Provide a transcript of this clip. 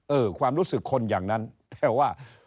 ความรู้สึกคนอย่างนั้นแต่ว่า